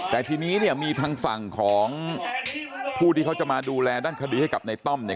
แต่ทีนี้เนี่ยมีทางฝั่งของผู้ที่เขาจะมาดูแลด้านคดีให้กับในต้อมเนี่ย